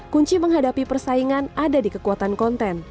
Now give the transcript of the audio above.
kunci menghadapi persaingan ada di kekuatan konten